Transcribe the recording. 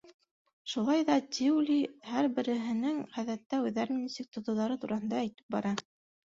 Шулай ҙа Тиули һәр береһенең, ғәҙәттә, үҙҙәрен нисек тотоуҙары тураһында әйтеп бара.